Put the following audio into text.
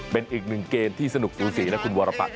เป็นอีกหนึ่งเกมที่สนุกสูสีนะคุณวรปัต